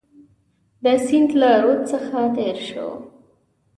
د سیند له رود څخه تېر شو.